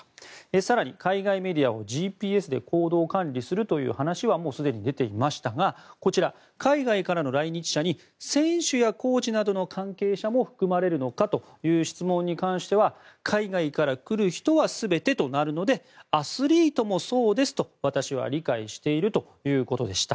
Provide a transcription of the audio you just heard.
更に、海外メディアをＧＰＳで行動管理するという話はもうすでに出ていましたが海外からの来日者に選手やコーチなどの関係者も含まれるのかという質問に関しては海外から来る人は全てとなるのでアスリートもそうですと私は理解しているということでした。